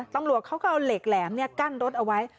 ตำรวจเขาก็เอาเหล็กแหลมกั้นรถเอาไว้